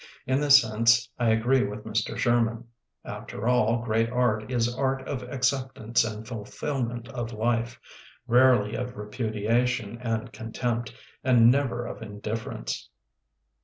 In this sense, I agree with Mr. Sher man. After all, great art is art of ac ceptance and fulfilment of life; rarely of repudiation and contempt, and never of indifference.